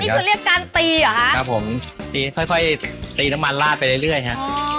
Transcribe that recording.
อันนี้คือเรียกการตีหรอครับครับผมตีค่อยค่อยตีน้ำมันราดไปเรื่อยเรื่อยฮะ